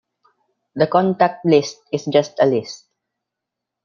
The contact list is just a list.